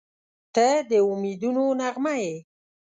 • ته د امیدونو نغمه یې.